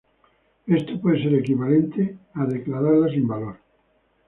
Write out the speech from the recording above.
Esto puede ser equivalente a declararla sin valor.